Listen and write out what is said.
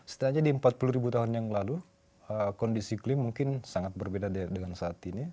setidaknya di empat puluh ribu tahun yang lalu kondisi klim mungkin sangat berbeda dengan saat ini